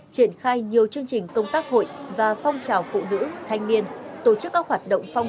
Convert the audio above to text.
triển khai nhiều chương trình công tác hội và phong trào phụ nữ thanh niên tổ chức các hoạt động phong